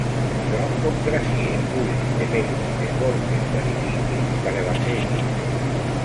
Jo em congracie, cull, depenc, desbolque, clarifique, carabassege